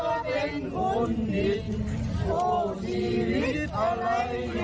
ก็ตอบได้คำเดียวนะครับ